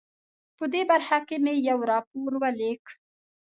په دې برخه کې مې یو راپور ولیک.